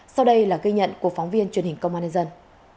sau đây là ghi nhận của phóng viên truyền hình công an nhân dân